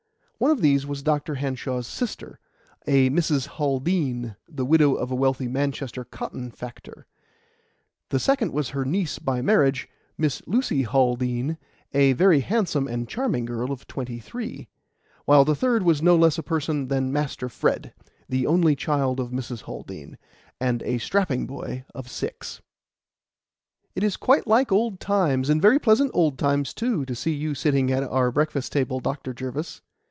One of these was Dr. Hanshaw's sister, a Mrs. Haldean, the widow of a wealthy Manchester cotton factor; the second was her niece by marriage, Miss Lucy Haldean, a very handsome and charming girl of twenty three; while the third was no less a person than Master Fred, the only child of Mrs. Haldean, and a strapping boy of six. "It is quite like old times and very pleasant old times, too to see you sitting at our breakfast table, Dr. Jervis."